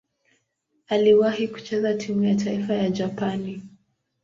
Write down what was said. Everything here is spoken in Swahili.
Aliwahi kucheza timu ya taifa ya Japani.